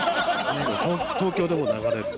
東京でも流れる。